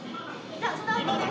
じゃあスタートです。